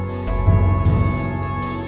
oh yaudah mungkin